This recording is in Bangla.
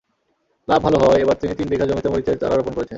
লাভ ভালো হওয়ায় এবার তিনি তিন বিঘা জমিতে মরিচের চারা রোপণ করেছেন।